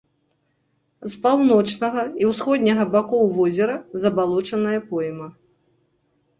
З паўночнага і ўсходняга бакоў возера забалочаная пойма.